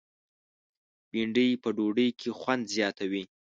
بېنډۍ په ډوډۍ کې خوند زیاتوي